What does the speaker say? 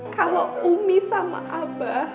kalo umi sama abah